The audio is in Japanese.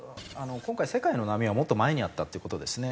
今回世界の波はもっと前にあったっていう事ですね。